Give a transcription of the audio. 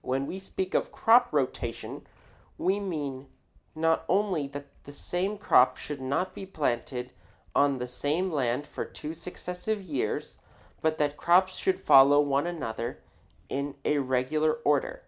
When we speak of crop rotation we mean not only that the same crop should not be planted on the same land for two successive years but that crops should follow one another in a regular order.